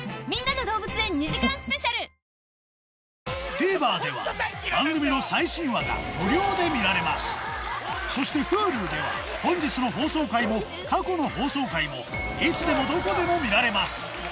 ＴＶｅｒでは番組の最新話が無料で見られますそしてＨｕｌｕでは本日の放送回も過去の放送回もいつでもどこでも見られます